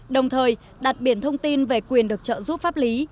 đồng thời đặt biển thông tin về quyền được trợ giúp pháp lý